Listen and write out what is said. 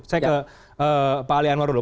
saya ke pak ali anwar dulu